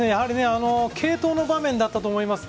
継投の場面だったと思います。